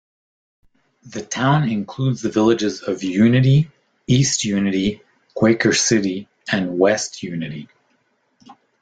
The town includes the villages of Unity, East Unity, Quaker City, and West Unity.